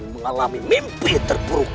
malah siap karun